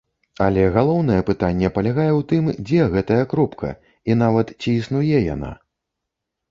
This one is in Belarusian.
Але галоўнае пытанне палягае ў тым, дзе гэтая кропка, і нават, ці існуе яна.